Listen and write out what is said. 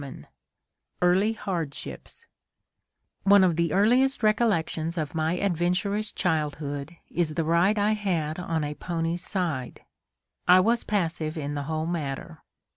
II EARLY HARDSHIPS One of the earliest recollections of my adventurous childhood is the ride I had on a pony's side. I was passive in the whole matter.